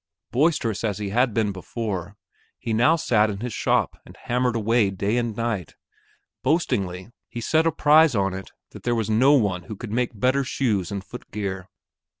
Boisterous as he had been before, he now sat in his shop and hammered away day and night. Boastingly, he set a prize on it that there was no one who could make better shoes and footgear.